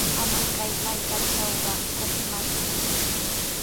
Ama kay markatrawqa katramayku.